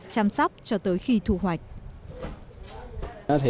chăm sóc cho tới khi thu hoạch